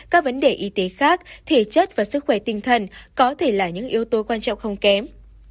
các vấn đề y tế khác thể chất và sức khỏe tinh thần có thể là những yếu tố quan trọng không kém